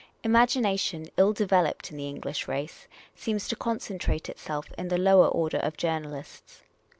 Imagination, ill developed in the English race, seems to concentrate itself in the lower order of journalists.